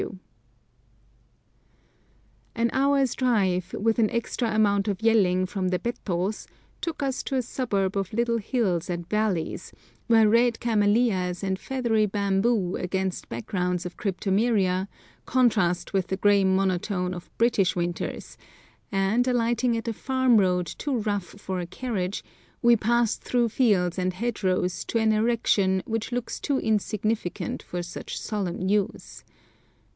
[Picture: Fujisan, from a Village on the Tokaido] An hour's drive, with an extra amount of yelling from the bettos, took us to a suburb of little hills and valleys, where red camellias and feathery bamboo against backgrounds of cryptomeria contrast with the grey monotone of British winters, and, alighting at a farm road too rough for a carriage, we passed through fields and hedgerows to an erection which looks too insignificant for such solemn use.